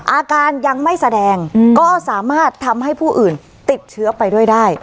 อาการยังไม่แสดงก็สามารถทำให้ผู้อื่นติดเชื้อไปด้วยได้